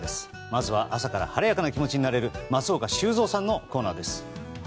まずは朝から晴れやかな気持ちになれる松岡修造さんのコーナーです。